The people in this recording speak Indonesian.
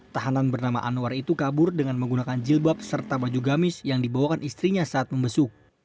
tahanan bernama anwar itu kabur dengan menggunakan jilbab serta baju gamis yang dibawakan istrinya saat membesuk